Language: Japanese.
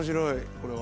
これは。